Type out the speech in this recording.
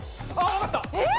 分かったえっ！